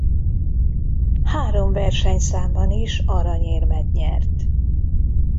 Három versenyszámban is aranyérmet nyert.